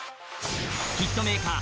ヒットメーカー